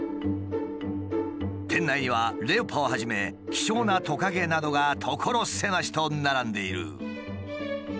店内にはレオパをはじめ希少なトカゲなどが所狭しと並んでいる。